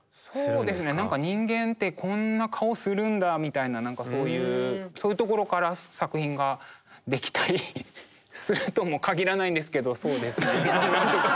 そうですね何か人間ってこんな顔するんだみたいな何かそういうところから作品ができたりするとも限らないんですけどそうですね。